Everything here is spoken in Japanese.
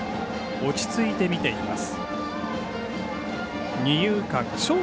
落ち着いて見ています。